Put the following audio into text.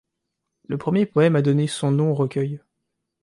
Le premier poème a donné son nom au recueil.